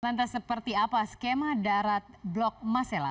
lantas seperti apa skema darat blok masela